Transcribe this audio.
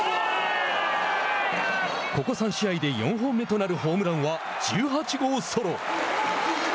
ここ３試合で４本目となるホームランは１８号ソロ。